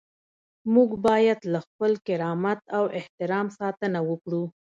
موږ باید له خپل کرامت او احترام ساتنه وکړو.